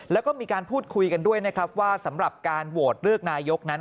แล้วก็มีการพูดคุยกันด้วยนะครับว่าสำหรับการโหวตเลือกนายกนั้น